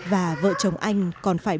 và vợ chồng anh còn phải